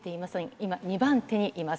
今、２番手にいます。